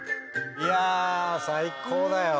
いやあ最高だよ。